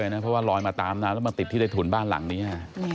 เพราะว่าลอยมาตามน้ำแล้วมาติดที่ได้ถุนบ้านหลังนี้